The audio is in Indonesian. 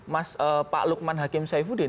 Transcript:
mas pak lukman hakim saifuddin